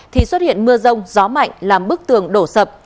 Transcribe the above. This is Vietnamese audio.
thì xuất hiện mưa rông gió mạnh làm bức tường đổ sập